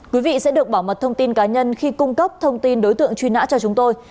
quý vị sẽ được bảo mật thông tin cá nhân khi cung cấp thông tin đối tượng truy nã cho chúng tôi